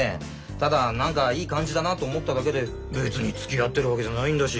ただ何かいい感じだなと思っただけで別につきあってるわけじゃないんだし。